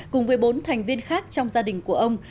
cùng với bốn thành viên khác trong gia đình của ông